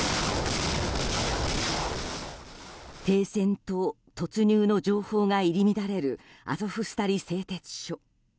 停戦と突入の情報が入り乱れるアゾフスタリ製鉄所。